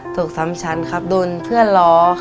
ตกซ้ำช้านโดนเพื่อนล้อ